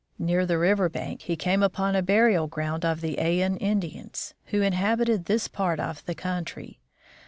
Near the river bank he came upon a burial ground of the Ayan Indians, who inhabit this part of the country.